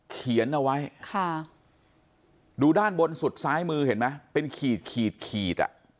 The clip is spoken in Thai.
เขียนเอาไว้ค่ะดูด้านบนสุดซ้ายมือเห็นไหมเป็นขีดขีดขีดอ่ะ